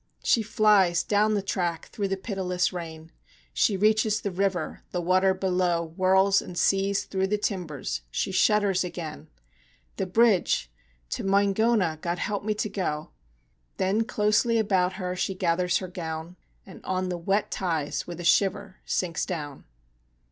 She flies down the track through the pitiless rain; She reaches the river the water below Whirls and seethes through the timbers. She shudders again; "The bridge! To Moingona, God help me to go!" Then closely about her she gathers her gown And on the wet ties with a shiver sinks down.